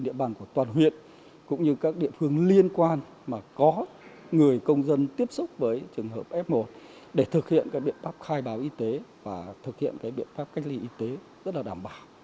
để thực hiện các biện pháp khai báo y tế và thực hiện các biện pháp cách ly y tế rất là đảm bảo